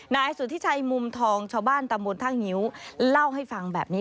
นายสุธิชัยมุมทองชาวบ้านตำบลท่างิ้วเล่าให้ฟังแบบนี้